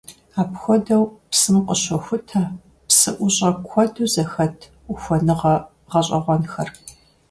Апхуэдэу псым къыщохутэ псыӀущӀэ куэду зэхэт ухуэныгъэ гъэщӀэгъуэнхэр.